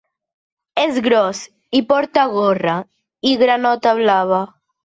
És gros, i porta gorra i granota blava.